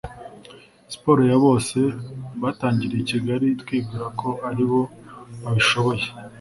Siporo ya bose yatangiriye i Kigali twibwira ko ari bo babishoboye